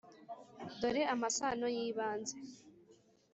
dore amasano y’ibanze,